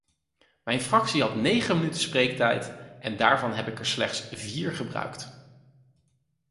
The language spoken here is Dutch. Mijn fractie had negen minuten spreektijd en daarvan heb ik er slechts vier gebruikt.